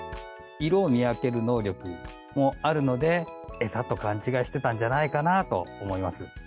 色を見分ける能力もあるので、餌と勘違いしてたんじゃないかなと思います。